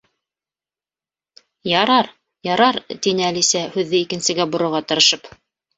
—Ярар, ярар! —тине Әлисә, һүҙҙе икенсегә борорға тырышып.